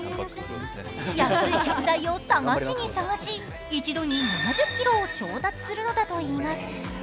安い食材を探しに探し、一度に７０ｋｇを調達するのだといいます。